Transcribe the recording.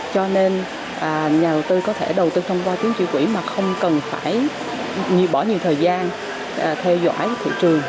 cho nên nhà đầu tư có thể đầu tư thông qua tiếng chi quỹ mà không cần phải bỏ nhiều thời gian theo dõi thị trường